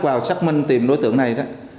vào xác minh tìm đối tượng này